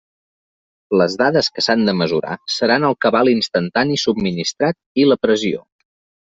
Les dades que s'han de mesurar seran el cabal instantani subministrat i la pressió.